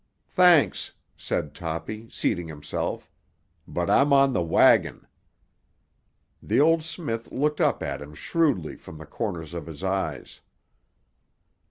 "Thanks," said Toppy, seating himself, "but I'm on the wagon." The old smith looked up at him shrewdly from the corners of his eyes.